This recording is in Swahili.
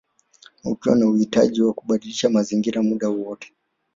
Ukiwa na uhitaji wa kubadilisha mazingira muda wowote